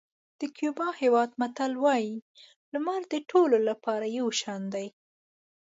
د کیوبا هېواد متل وایي لمر د ټولو لپاره یو شان دی.